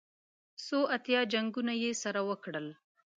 څو اتیا جنګونه یې سره وکړل.